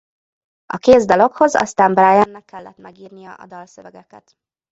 A kész dalokhoz aztán Briannek kellett megírnia a dalszövegeket.